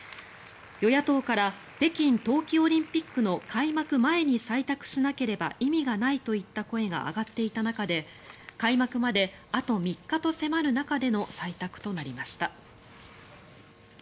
与野党から北京冬季オリンピックの開幕前に採択しなければ意味がないといった声が上がっていた中で開幕まであと３日と迫る中での採択となりました。